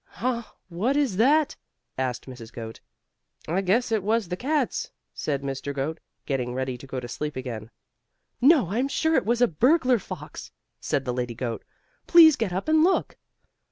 "Ha! What is that?" asked Mrs. Goat. "I guess it was the cats," said Mr. Goat, getting ready to go to sleep again. "No, I'm sure it was a burglar fox!" said the lady goat. "Please get up and look."